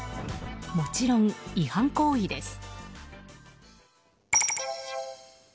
もちろん違反行為です。